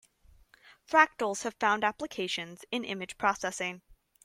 Fractals have found applications in image processing.